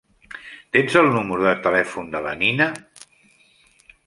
Tens el número de telèfon de la Nina?